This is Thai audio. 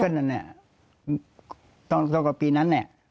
ก็นั่นน่ะตอนปีนั้นน่ะ